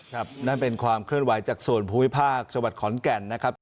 นั่นเป็นความเคลื่อนไหวจากส่วนภูมิภาคจังหวัดขอนแก่นนะครับ